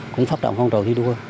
cũng phát động phong trào thi đua